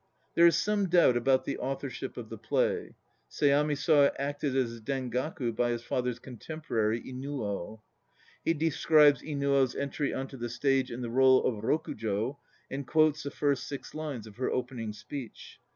There is some doubt about the authorship of the play. Seami saw it acted as a Dengaku by his father's contemporary Inuo. He de scribes Inuo's entry on to the stage in the role of Rukujo and quotes the first six lines of her opening speech.